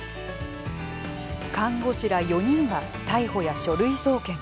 看護師ら４人が逮捕や書類送検。